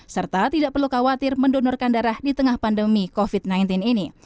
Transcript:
serta tidak perlu khawatir mendonorkan darah di tengah pandemi covid sembilan belas ini